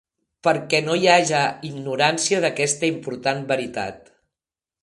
Perquè no hi haja ignorància d'aquesta important veritat.